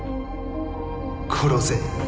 殺せ。